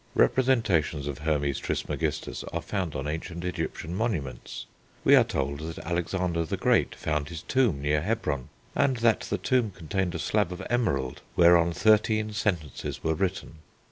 Representations of Hermes Trismegistus are found on ancient Egyptian monuments. We are told that Alexander the Great found his tomb near Hebron; and that the tomb contained a slab of emerald whereon thirteen sentences were written.